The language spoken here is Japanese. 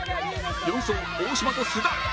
４走大島と須田